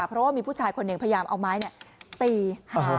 เพราะว่ามีผู้ชายคนหนึ่งพยายามเอาไม้ตีหา